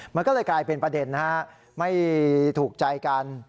มันก็เลยกลายเป็นประเด็นนะฮะไม่ถูกใจกัน